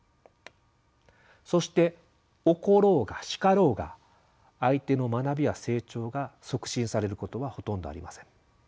そして怒ろうが叱ろうが相手の学びや成長が促進されることはほとんどありません。